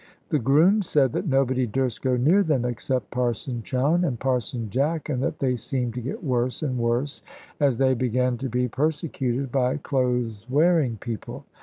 The groom said that nobody durst go near them, except Parson Chowne and Parson Jack, and that they seemed to get worse and worse, as they began to be persecuted by clothes wearing people.